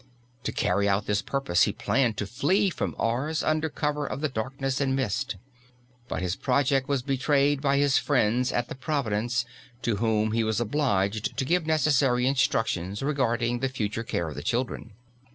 To carry out this purpose he planned to flee from Ars under cover of the darkness and mist. But his project was betrayed by his friends at the "Providence" to whom he was obliged to give necessary instructions regarding the future care of the children.